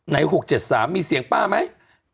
๖๗๓มีเสียงป้าไหม